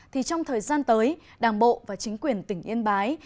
thì trong thời gian tới đảng bộ và chính quyền tỉnh yên bái